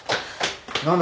何だ？